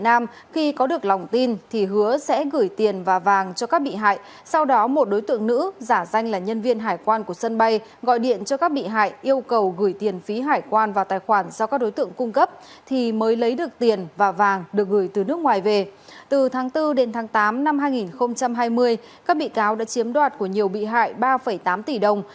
năm hai nghìn hai mươi các bị cáo đã chiếm đoạt của nhiều bị hại ba tám tỷ đồng